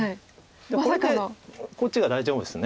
これでこっちが大丈夫です。